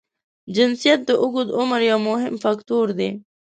جنسیت د اوږد عمر یو مهم فاکټور دی.